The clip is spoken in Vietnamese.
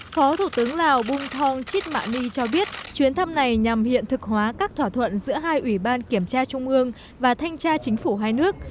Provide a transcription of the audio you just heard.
phó thủ tướng lào bùn thong chít mạng ni cho biết chuyến thăm này nhằm hiện thực hóa các thỏa thuận giữa hai ủy ban kiểm tra trung mương và thanh tra chính phủ hai nước